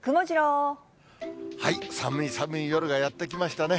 寒い寒い夜がやってきましたね。